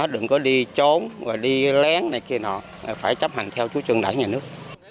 đừng có đi trốn đi lén này kia nọ phải chấp hành theo chú trương đại nhà nước